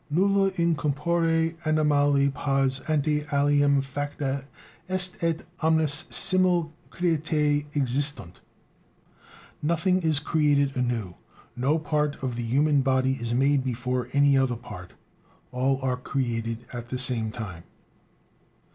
Nulla in corpore animale pars ante aliam facta est et omnes simul creatae existunt_" (nothing is created anew, no part of the human body is made before any other part, all are created at the same time).